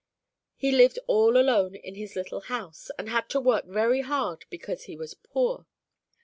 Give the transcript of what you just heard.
He lived all alone in his little house, and had to work very hard because he was poor.